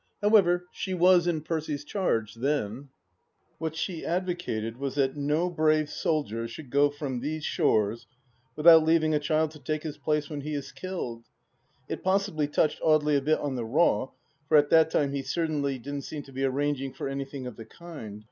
However, she was in Percy's charge, then !... What she advocated was that no brave soldier should go from these shores without leaving a child to take his place when he is killed. It possibly touched Audely a bit on the raw, for at that time he certainly didn't seem to be arranging for anything of the kind.